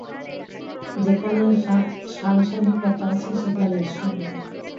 যেখানে সাংসারিকতা আছে, সেখানে ঈশ্বর নাই।